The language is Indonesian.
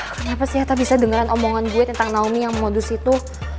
kenapa sih tak bisa dengerin omongan gue tentang naomi yang mau modus itu